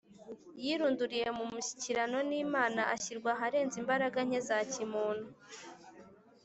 . Yirunduriye mu mushyikirano n’Imana, ashyirwa aharenze imbaraga nke za kimuntu